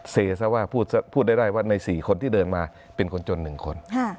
ซะว่าพูดได้ว่าใน๔คนที่เดินมาเป็นคนจน๑คน